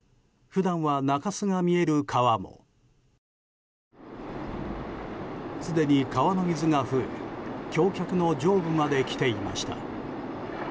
普段は中州が見える川もすでに川の水が増え橋脚の上部まで来ていました。